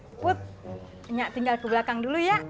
mut nyak tinggal ke belakang dulu ya